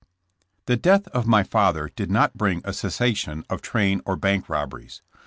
The death of my father did not bring a cessation of train or bank robberies.